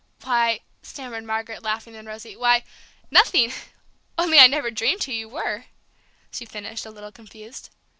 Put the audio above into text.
"Why," stammered Margaret, laughing and rosy, "why, nothing only I never dreamed who you were!" she finished, a little confused.